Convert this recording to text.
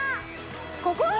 ここ？